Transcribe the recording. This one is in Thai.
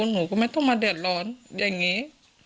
หนูก็ไม่ต้องมาเดือดร้อนอย่างนี้